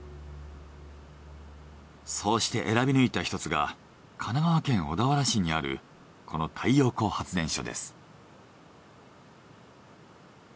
そうして選び抜いた一つが神奈川県小田原市にあるこの太陽光発電所です。